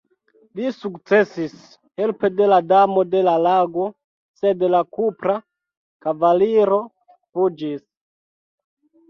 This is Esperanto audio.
Li sukcesis, helpe de la Damo de la Lago, sed la Kupra Kavaliro fuĝis.